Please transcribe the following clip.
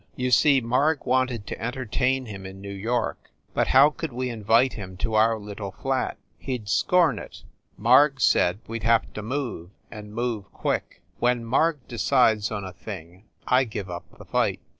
You see, Marg wanted to entertain him in New York, but how could we invite him to our little flat ? He d scorn it. Marg said we d have to move, and move quick. When Marg decides on a thing I give up the fight.